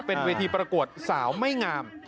เป็นเวทีประกวดสาวไม่งาม